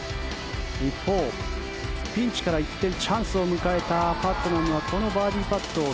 一方、ピンチから一転チャンスを迎えたパットナムはこのバーディーパットを